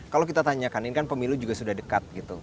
kalau kita tanyakan ini kan pemilu juga sudah dekat gitu